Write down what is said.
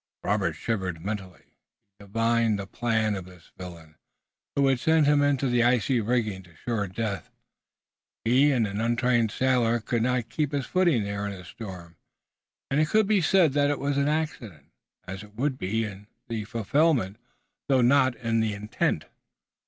Robert shivered mentally. He divined the plan of this villain, who would send him in the icy rigging to sure death. He, an untrained sailor, could not keep his footing there in a storm, and it could be said that it was an accident, as it would be in the fulfilment though not in the intent.